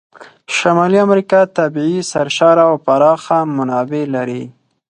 شمالي امریکا طبیعي سرشاره او پراخه منابع لري.